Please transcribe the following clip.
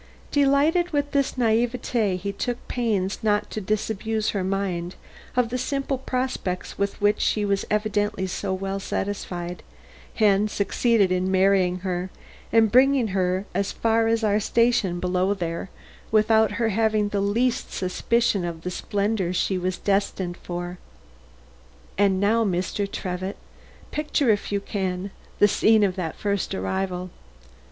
Delighted with this naïveté, he took pains not to disabuse her mind of the simple prospects with which she was evidently so well satisfied, and succeeded in marrying her and bringing her as far as our station below there, without her having the least suspicion of the splendor she was destined for. And now, Mr. Trevitt, picture, if you can, the scene of that first arrival.